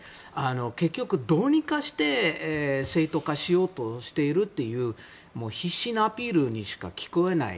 結局、どうにかして正当化しようとしているという必死のアピールにしか聞こえない。